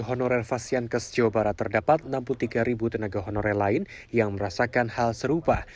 honorer fasian kes jawa barat terdapat enam puluh tiga tenaga honorer lain yang merasakan hal serupa